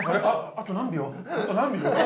あと何秒？